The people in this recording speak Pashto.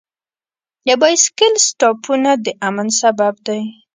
د بایسکل سټاپونه د امن سبب دی.